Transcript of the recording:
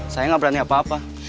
saya nggak berani apa apa